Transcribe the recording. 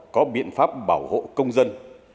có biện pháp bảo hộ công dân